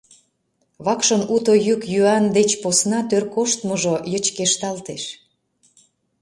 Вакшын уто йӱк-йӱан деч посна тӧр коштмыжо йычкешталтеш.